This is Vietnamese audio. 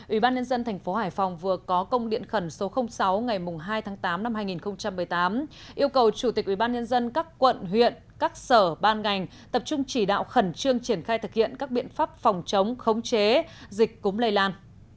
ubnd tp hải phòng vừa có công điện khẩn số sáu ngày hai tháng tám năm hai nghìn một mươi tám yêu cầu chủ tịch ubnd các quận huyện các sở ban ngành tập trung chỉ đạo khẩn trương triển khai thực hiện các biện pháp phòng chống khống chế dịch cúm lây lan